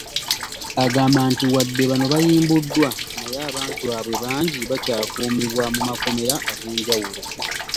Agamba nti wadde bano bayimbuddwa naye abantu baabwe bangi bakyakuumibwa mu makomera ag’enjawulo.